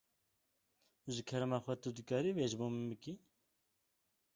Ji kerema xwe tu dikarî vê ji bo min bikî?